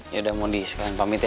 yaudah mondi sekalian pamit ya